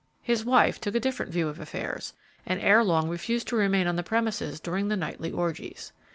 His wife took a different view of affairs, and ere long refused to remain on the premises during the nightly orgies.